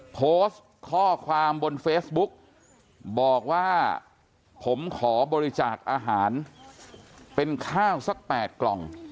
โพสต์ข้อความบนเฟซบุ๊กบอกว่าผมขอบริจาคอาหารเป็นข้าวสัก๘กล่อง